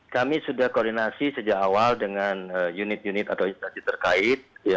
kami sudah koordinasi sejak awal dengan unit unit atau instansi terkait